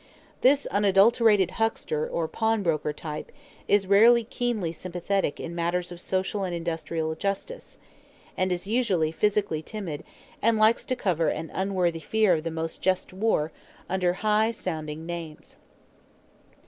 This unadulterated huckster or pawnbroker type is rarely keenly sympathetic in matters of social and industrial justice, and is usually physically timid and likes to cover an unworthy fear of the most just war under high sounding names.